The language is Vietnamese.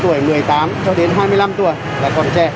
thì người ta có những hành vi hành động là quay đầu trốn tránh